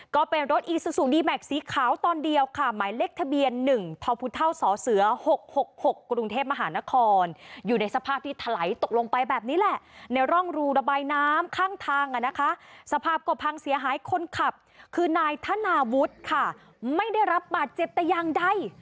ก็เป็นรถอีซูซูดีแม็กซสีขาวตอนเดียวค่ะหมายเลขทะเบียน๑ทพศเส๖๖กรุงเทพมหานครอยู่ในสภาพที่ถลายตกลงไปแบบนี้แหละในร่องรูระบายน้ำข้างทางสภาพก็พังเสียหายคนขับคือนายธนาวุฒิค่ะไม่ได้รับบาดเจ็บแต่อย่างใด